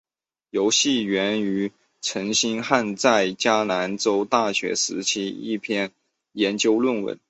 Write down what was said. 游戏源于陈星汉在南加州大学时期的一篇研究论文。